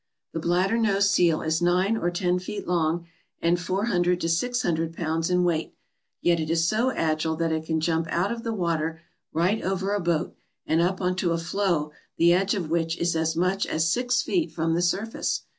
The bladdernose seal is 9 or 10 feet long, and 400 to 600 pounds in weight, yet is so agile that it can jump out of the water, right over a boat, and up on to a floe the edge of which is as much as six feet from the surface.